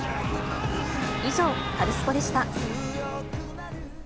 以上、カルスポっ！でした。